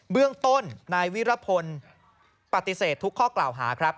เรื่องต้นนายวิรพลปฏิเสธทุกข้อกล่าวหาครับ